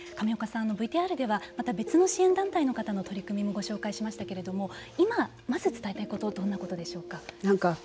上岡さん、ＶＴＲではまた別の支援団体の取り組みもご紹介しましたけれども今、まず伝えたいことどんなことでしょうか。